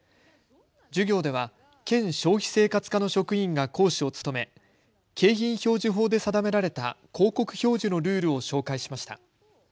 授業では県消費生活課の職員が講師を務め景品表示法で定められた広告表示のルールを紹介しました。